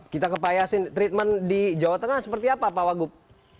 kita kepayasin treatment di jawa tengah seperti apa pak wagub